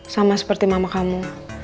sama seperti mama kamu